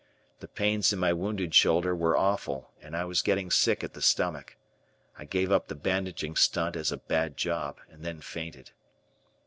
The pains in my wounded shoulder were awful and I was getting sick at the stomach. I gave up the bandaging stunt as a bad job, and then fainted.